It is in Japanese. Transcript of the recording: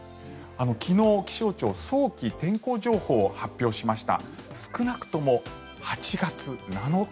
昨日、気象庁早期天候情報を発表しました。